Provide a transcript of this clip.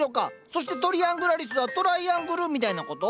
そしてトリアングラリスはトライアングルみたいなこと？